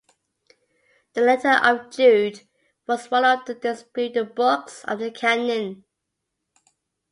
The letter of Jude was one of the disputed books of the Canon.